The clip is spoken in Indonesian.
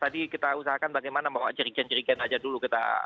tadi kita usahakan bagaimana membawa jerigen jerigen aja dulu